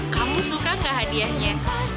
kamu suka gak hadiahnya